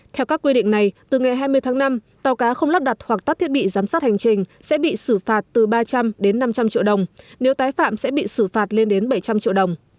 theo các quy định này từ ngày hai mươi tháng năm tàu cá không lắp đặt hoặc tắt thiết bị giám sát hành trình sẽ bị xử phạt từ ba trăm linh đến năm trăm linh triệu đồng nếu tái phạm sẽ bị xử phạt lên đến bảy trăm linh triệu đồng